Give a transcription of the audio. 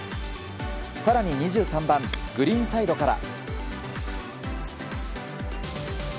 更に２３番グリーンサイドから。